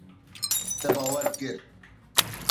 Te bawer kir.